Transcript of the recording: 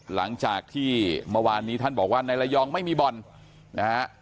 หลังจากที่เมื่อวานนี้ท่านบอกว่าในระยองไม่มีบ่อนนะฮะ